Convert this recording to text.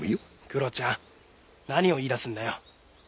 クロちゃん何を言い出すんだよ。